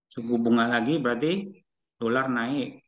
suku bunga lagi berarti dolar naik